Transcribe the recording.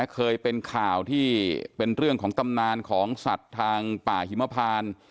เคยเป็นข่าวที่เป็นเรื่องของตำนานของสัตว์ทางป่าหิมพาน